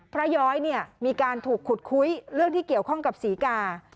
ย้อยเนี่ยมีการถูกขุดคุยเรื่องที่เกี่ยวข้องกับศรีกา